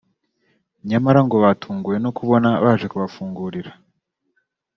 nyamara ngo batunguwe no kubona baje kubafungira